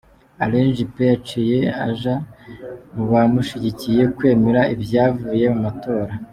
Alain Juppé yaciye aja mu bamushigikiye kwemera ivyavuye mu matora.